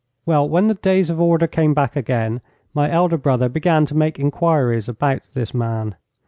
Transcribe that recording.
'Well, when the days of order came back again, my elder brother began to make inquiries about this man.